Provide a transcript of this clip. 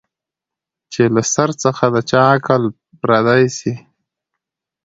چي له سر څخه د چا عقل پردی سي